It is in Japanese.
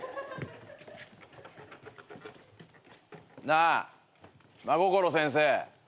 なあ真心先生。